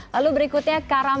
lalu berikutnya karam